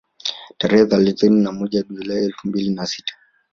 Tarehe thelathini na moja Julai elfu mbili na sita